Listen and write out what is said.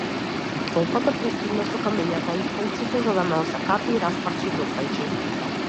Толпата пристига со камењата и колците за да ме осакати, распарчи и докрајчи.